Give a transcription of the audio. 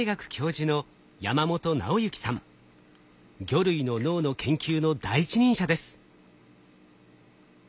魚類の脳の研究の第一人者です。